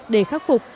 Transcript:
để khắc phục